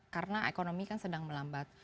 karena ekonomi kan sedang melambat